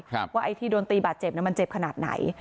ว่าไอ้ที่โดนตีบาดเจ็บเนี้ยมันเจ็บขนาดไหน